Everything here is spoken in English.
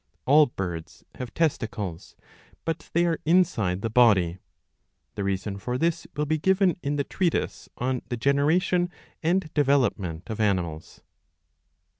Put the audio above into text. All birds have testicles ; but they are inside the body. The reason for this will be given in the treatise on the Generation and Development of Animals.'